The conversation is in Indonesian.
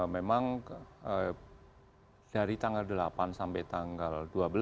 memang dari tanggal delapan sampai tanggal dua belas